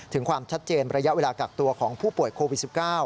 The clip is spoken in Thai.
ถึงความชัดเจนระยะเวลากักตัวของผู้ป่วยโควิด๑๙